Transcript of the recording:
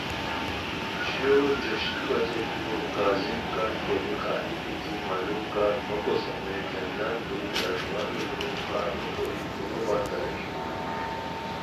چھویو جوش ای بجہ بیکو کاظم کال کوری قہری بیتی مہ لُوؤ کار نوکوسان رے جنجال کوری اݱغالو لُوؤ کارنوکوری فونو بند اریر